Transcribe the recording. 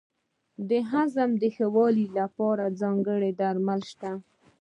د هاضمې د ښه والي لپاره ځانګړي درمل شته.